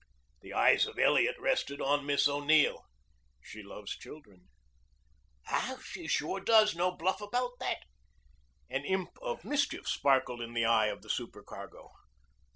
The eyes of Elliot rested on Miss O'Neill. "She loves children." "She sure does no bluff about that." An imp of mischief sparkled in the eye of the supercargo.